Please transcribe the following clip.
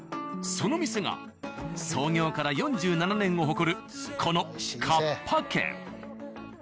その店が創業から４７年を誇るこの「河童軒」。